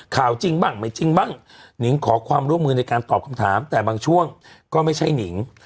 ข่าวจริงบ้างไม่จริงบ้างหนิงขอความร่วมมือในการตอบคำถามแต่บางช่วงก็ไม่ใช่หนิง